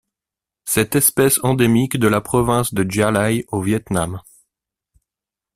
Cette espèce endémique de la province de Gia Lai au Viêt Nam.